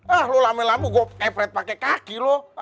ah lo lama lama gue efret pake kaki lo